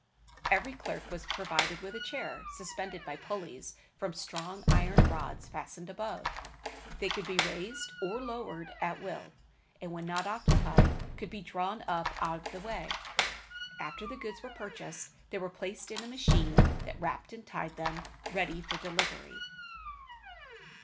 Every clerk was provided with a chair suspended by pulleys from strong iron rods fastened above. They could be raised or lowered at will; and when not occupied, could be drawn up out of the way. After the goods were purchased, they were placed in a machine that wrapped and tied them ready for delivery.